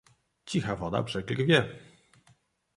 "Cicha woda brzegi rwie."